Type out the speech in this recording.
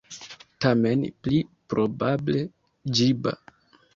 Tamen, pli probable, ĝiba.